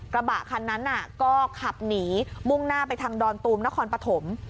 กระบะคันนั้นก็ขับหนีมุ่งหน้าไปทางดอนตูมนครปฐม